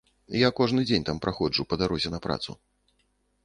Я кожны дзень там праходжу па дарозе на працу.